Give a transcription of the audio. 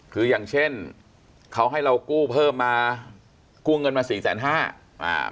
คืออย่างเช่นเขาให้เรากู้เพิ่มมากู้เงินมา๔๕๐๐๐๐๐บาท